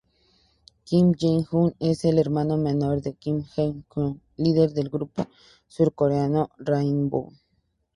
Kim Jae-hyun es el hermano menor de Kim Jae-kyung, líder del grupo surcoreano Rainbow.